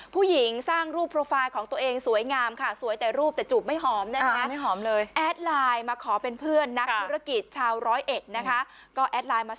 ผู้หญิงสร้างรูปโปรไฟล์ของตัวเองสวยงามค่ะสวยแต่รูปแต่จูบไม่หอมเลยแอดไลน์มาขอเป็นเพื่อนนักธุรกิจชาวร้อยเอ็ดนะคะ